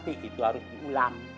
itu harus diulang